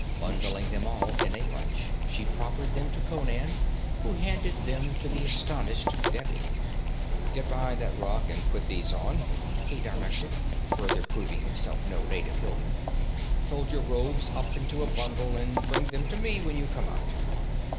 Bundling them all in a bunch, she proffered them to Conan, who handed them to the astonished Devi. 'Get behind that rock and put these on,' he directed, further proving himself no native hillman. 'Fold your robes up into a bundle and bring them to me when you come out.'